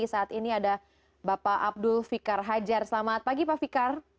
saat ini ada bapak abdul fikar hajar selamat pagi pak fikar